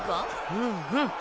うんうん。